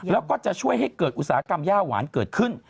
แล้วก็จะช่วยให้เกิดอุตสาหกรรมย่าหวานเกิดขึ้น